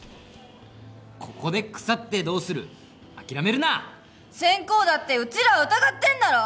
ここで腐ってどうする諦めるなセンコーだってうちらを疑ってんだろ？